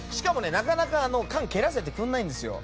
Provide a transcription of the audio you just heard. なかなか缶を蹴らせてくれないんですよ。